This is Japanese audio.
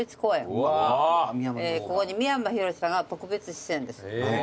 ここに三山ひろしさんが特別出演です。